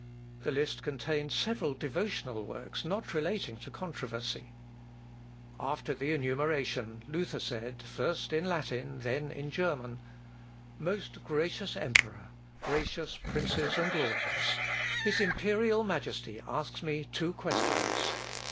The list contained several devotional works not relating to controversy. "Legantur tituli librorum." (L. Op. (L.) xvii, p. 588.) After the enumeration, Luther said, first in Latin, and then in German. "Most gracious Emperor! Gracious Princes and Lords! "His imperial Majesty asks me two questions.